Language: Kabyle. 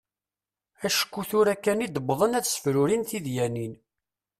Acku tura kan i d-wwḍen ad sefrurin tidyanin.